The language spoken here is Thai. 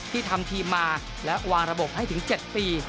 ที่ทำทีมมาและวางระบบให้ถึง๗ปี